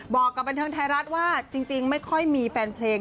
บอกกับบันเทิงไทยรัฐว่าจริงไม่ค่อยมีแฟนเพลง